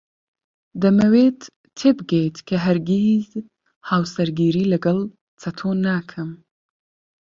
دەمەوێت تێبگەیت کە هەرگیز هاوسەرگیری لەگەڵ چەتۆ ناکەم.